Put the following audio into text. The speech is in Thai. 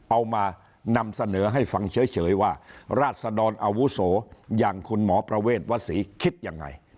เอามานำเสนอให้ฟังเฉยว่าราศดรอาวุโสอย่างคุณหมอประเวทวศรีคิดยังไง